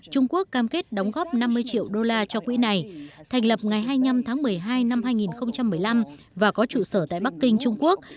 trung quốc cam kết đóng góp năm mươi triệu đô la cho quỹ này thành lập ngày hai mươi năm tháng một mươi hai năm hai nghìn một mươi năm và có trụ sở tại bắc kinh trung quốc